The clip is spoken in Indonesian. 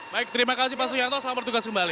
baik terima kasih pak suyanto selamat bertugas kembali